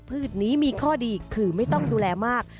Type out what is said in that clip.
พืชนี้มีข้อดีคือไม่ต้องดูแลมาก